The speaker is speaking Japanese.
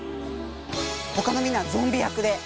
他のみんなはゾンビ役で。